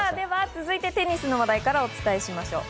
続いては、テニスの話題をお伝えしましょう。